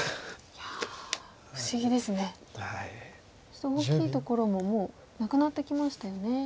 そして大きいところももうなくなってきましたよね。